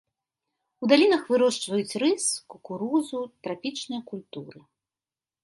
У далінах вырошчваюць рыс, кукурузу, трапічныя культуры.